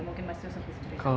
mungkin mas yusuf bisa cerita